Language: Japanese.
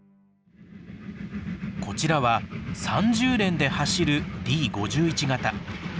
こちらは３重連で走るＤ５１形。